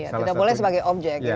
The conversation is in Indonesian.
tidak boleh sebagai objek